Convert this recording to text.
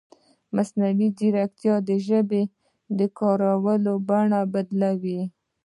مصنوعي ځیرکتیا د ژبې د کارولو بڼه بدلوي.